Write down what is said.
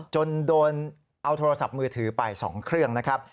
จนโดนเอาโทรศัพท์มือถือไป๒เครื่องนะครับ